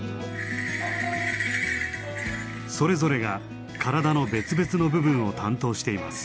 それぞれが体の別々の部分を担当しています。